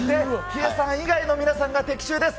ヒデさん以外の皆さんが的中です。